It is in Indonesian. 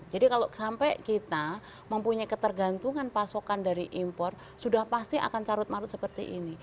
jadi kalau sampai kita mempunyai ketergantungan pasokan dari impor sudah pasti akan carut marut seperti ini